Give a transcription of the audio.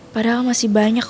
padahal masih banyak